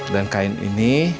dan kain ini